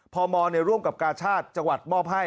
พมร่วมกับกาชาติจังหวัดมอบให้